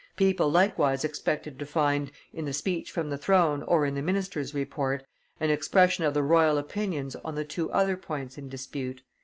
People likewise expected to find, in the speech from the throne or in the minister's report, an expression of the royal opinions on the two other points in dispute.